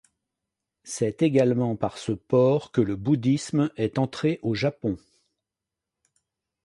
C'est également par ce port que le bouddhisme est entré au Japon.